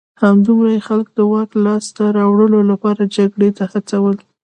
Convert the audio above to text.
همدومره یې خلک د واک لاسته راوړلو لپاره جګړې ته هڅول